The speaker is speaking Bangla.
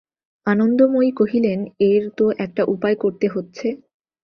আনন্দময়ী কহিলেন, এর তো একটা উপায় করতে হচ্ছে।